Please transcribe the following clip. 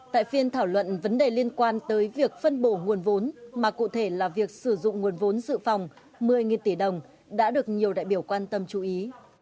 tại phiên thảo luận vấn đề liên quan tới việc phân bổ nguồn vốn mà cụ thể là việc sử dụng nguồn vốn dự phòng một mươi tỷ đồng đã được nhiều đại biểu quan tâm chú ý